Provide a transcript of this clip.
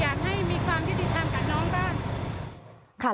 อยากให้มีความยุติธรรมกับน้องบ้าง